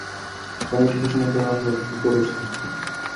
Committee ঘোষণা দেওয়া হয় ওপরের স্তর থেকে।